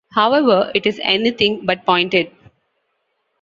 However, it is anything but pointed.